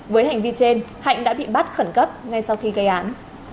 với hành vi trên hạnh đã bị bắt khẩn cấp ngay sau khi gây án